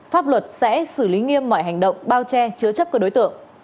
pháp luật sẽ xử lý nghiêm mọi hành động bao che chứa chấp các đối tượng